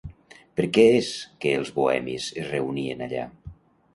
Per què és que els bohemis es reunien allà?